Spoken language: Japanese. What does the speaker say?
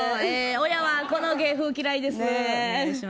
親はこの芸風、嫌いです。